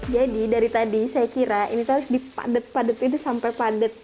jadi dari tadi saya kira ini harus dipadat padat ini sampai padat